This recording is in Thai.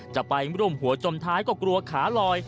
จะไปร่วมหัวจมท้ายก็กลัวขาลอย